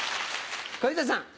小遊三さん。